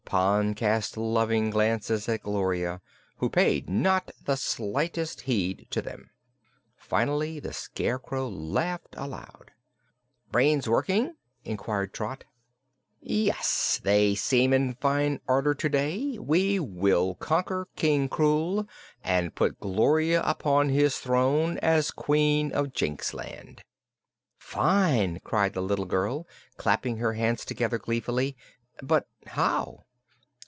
Pon cast loving glances at Gloria, who paid not the slightest heed to them. Finally the Scarecrow laughed aloud. "Brains working?" inquired Trot. "Yes. They seem in fine order to day. We will conquer King Krewl and put Gloria upon his throne as Queen of Jinxland." "Fine!" cried the little girl, clapping her hands together gleefully. "But how?"